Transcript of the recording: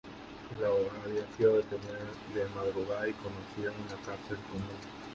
El abogado había sido detenido de madrugada y conducido a una cárcel común.